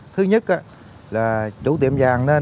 thứ nhất là chủ tiệm vàng